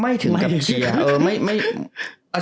ไม่ถึงกับเชียร์